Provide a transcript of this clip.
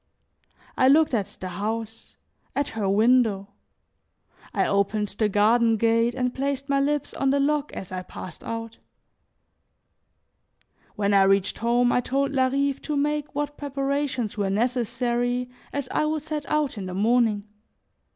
I looked at the house, at her window; I opened the garden gate and placed my lips on the lock as I passed out. When I reached home, I told Larive to make what preparations were necessary as I would set out in the morning.